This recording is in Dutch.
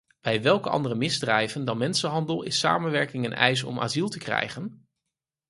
Bij welke andere misdrijven dan mensenhandel is samenwerking een eis om asiel te krijgen?